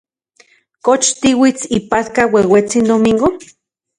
¿Kox tiuits ipatka ueuetsin Domingo?